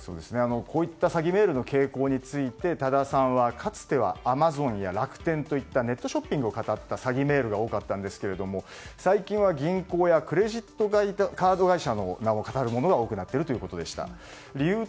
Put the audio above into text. こういった詐欺メールの傾向について多田さんはかつてはアマゾンや楽天といったネットショッピングをかたった詐欺メールが多かったんですけれども最近は銀行やクレジットカード会社の名をかたるものが多くなっているということでした。